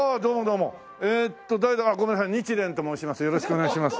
日蓮と申します。